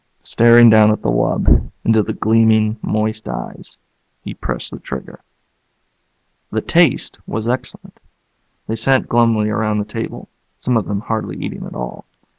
Staring down at the wub, into the gleaming, moist eyes, he pressed the trigger. The taste was excellent. They sat glumly around the table, some of them hardly eating at all.